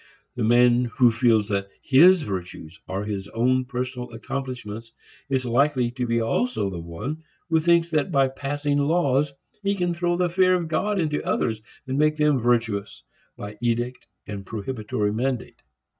The man who feels that his virtues are his own personal accomplishments is likely to be also the one who thinks that by passing laws he can throw the fear of God into others and make them virtuous by edict and prohibitory mandate.